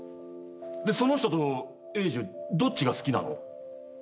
でその人と英二どっちが好きなの？